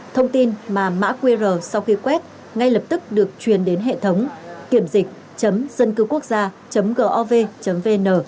thông tin mà mã qr sau khi quét ngay lập tức được truyền đến hệ thống kiểm dịch dâncưquốcgia gov vn